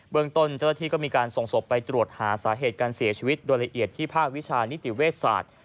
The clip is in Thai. เมืองต้นเจ้าหน้าที่ก็มีการส่งศพไปตรวจหาสาเหตุการเสียชีวิตโดยละเอียดที่ภาควิชานิติเวชศาสตร์